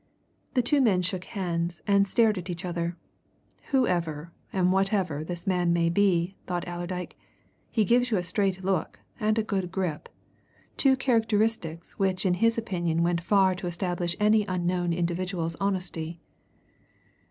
The two men shook hands and stared at each other. Whoever and whatever this man may be, thought Allerdyke, he gives you a straight look and a good grip two characteristics which in his opinion went far to establish any unknown individual's honesty.